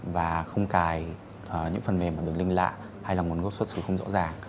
và không cài những phần mềm ở đường link lạ hay là nguồn gốc xuất xứ không rõ ràng